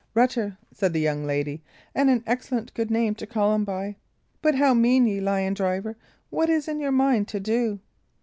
"Rutter," said the young lady; "and an excellent good name to call him by. But how mean ye, lion driver? What is in your mind to do?"